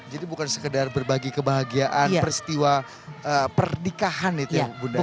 jadi bukan sekedar berbagi kebahagiaan peristiwa perdikahan itu ya bunda ini